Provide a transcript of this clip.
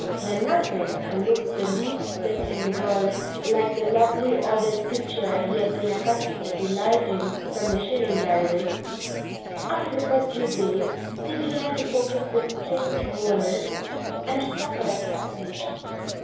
where nothing looked the least bit in the world like the lovely ordered picture he had been accustomed to delight in from the shilling gallery after the first few days he began to focus this strange world and to suffer its fascination.